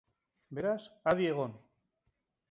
Beraz, adi egon!